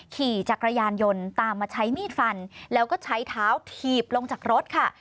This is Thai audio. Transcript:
ขี่จักรยานยนต์ตามมาใช้มีดฟันแล้วก็ใช้เท้าถีบลงจากรถค่ะ